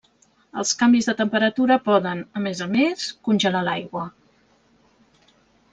Els canvis de temperatura poden, a més a més, congelar l'aigua.